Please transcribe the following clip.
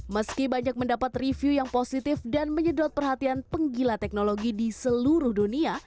meski banyak mendapat review yang positif dan menyedot perhatian penggila teknologi di seluruh dunia